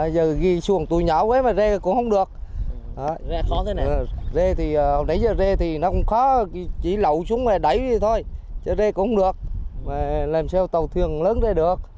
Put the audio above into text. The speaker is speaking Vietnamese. giờ ghi xuồng tôi nhỏ quá mà rê